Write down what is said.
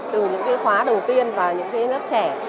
từ những cái khóa đầu tiên và những cái lớp trẻ